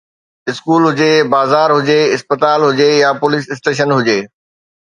school هجي، بازار هجي، اسپتال هجي يا پوليس اسٽيشن هجي